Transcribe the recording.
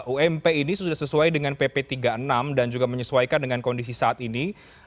ump ini sudah sesuai dengan pp tiga puluh enam dan juga menyesuaikan dengan kondisi saat ini